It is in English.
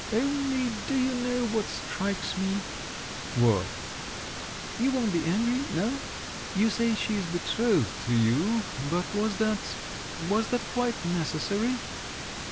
"Only, do you know what strikes me?" "What?" "You won't be angry? No? You say she is betrothed to you. But was that … was that quite necessary?"